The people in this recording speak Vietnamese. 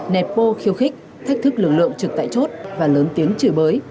nẹp bô khiêu khích thách thức lực lượng trực tại chốt và lớn tiếng chửi bới